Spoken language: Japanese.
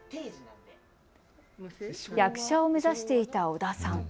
役者を目指していた尾田さん。